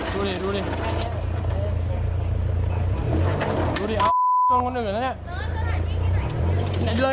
ดูดิดูดิดูดิโอ้โหโชนคนอื่นแล้วเนี่ย